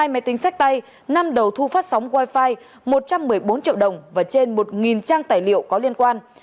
hai máy tính sách tay năm đầu thu phát sóng wifi một trăm một mươi bốn triệu đồng và trên một trang tài liệu có liên quan